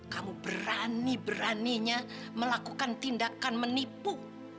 kamu berani beraninya melakukan tindakan menipu